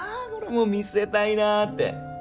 もう見せたいなって。